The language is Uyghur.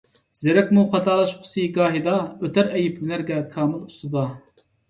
زېرەكمۇ خاتالاشقۇسى گاھىدا، ئۆتەر ئەيىب ھۈنەرگە كامىل ئۇستىدا.